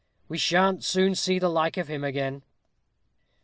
we sha'n't soon see the like of him again!"